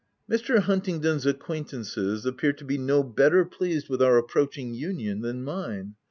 Mr. Huntingdon's acquaintances appear to be no better pleased with our approaching union than mine.